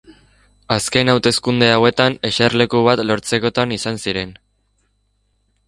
Azken hauteskunde hauetan eserleku bat lortzekotan izan ziren.